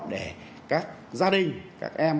để các gia đình các em